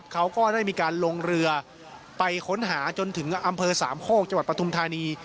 เขาก็ได้มีการลงเรือไปค้นหาจนถึงอำเภอสามโคกจังหวัดปทุมธานี